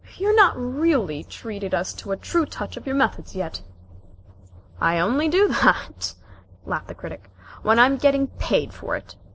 "You've not really treated us to a true touch of your methods yet." "I only do that," laughed the Critic, "when I'm getting paid for it.